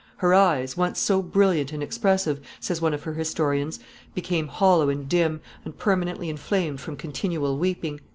"Her eyes, once so brilliant and expressive," says one of her historians, "became hollow and dim, and permanently inflamed from continual weeping."